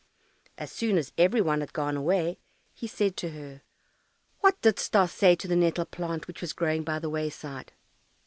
As soon as every one had gone away, he said to her, "What didst thou say to the nettle plant which was growing by the wayside?"